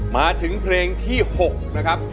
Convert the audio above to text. มาถึงเพลงที่๖นะครับ